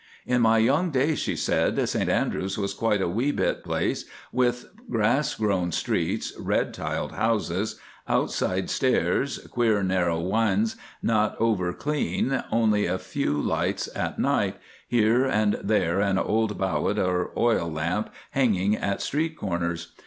"In my young days," she said, "St Andrews was quite a wee bit place with grass grown streets, red tiled houses, outside stairs, queer narrow wynds, not over clean, only a few lights at night—here and there, an old bowet or oil lamp hanging at street corners.